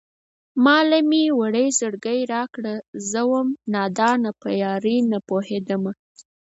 ما له مې وړی زړگی راکړه زه وم نادانه په يارۍ نه پوهېدمه